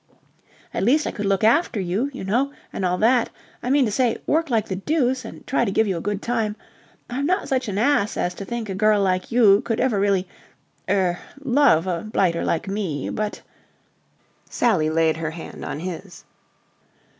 At least I could look after you, you know, and all that... I mean to say, work like the deuce and try to give you a good time... I'm not such an ass as to think a girl like you could ever really... er... love a blighter like me, but..." Sally laid her hand on his.